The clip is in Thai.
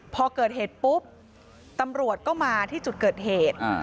พอเกิดเหตุปุ๊บตำรวจก็มาที่จุดเกิดเหตุ